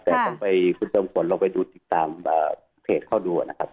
แต่ต้องไปคุณเจมส์ฝนเราไปดูติดตามเพจเข้าดูนะครับ